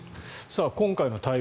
今回の対応